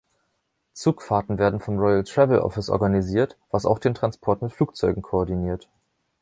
Zugfahrten werden vom Royal Travel Office organisiert, was auch den Transport mit Flugzeugen koordiniert.